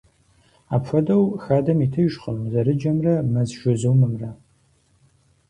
Апхуэдэу, хадэм итыжкъым зэрыджэмрэ мэз жызумымрэ.